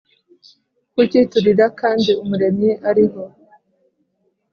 kuki turira kandi umuremyi ariho